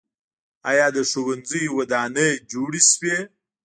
آیا د ښوونځیو ودانۍ جوړې شوي؟